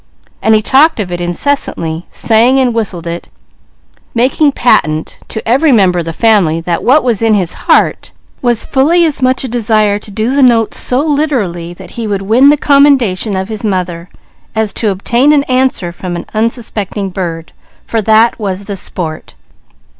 He talked of it incessantly, sang and whistled it, making patent to every member of the family that what was in his heart was fully as much a desire to do the notes so literally that he would win the commendation of his mother, as to obtain an answer from an unsuspecting bird; for that was the sport.